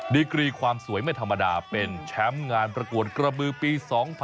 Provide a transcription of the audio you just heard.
ดีกรีความสวยไม่ธรรมดาเป็นแชมป์งานประกวดกระบือปี๒๐๑๖